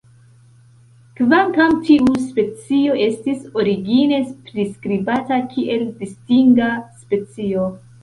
Kvankam tiu specio estis origine priskribata kiel distinga specio.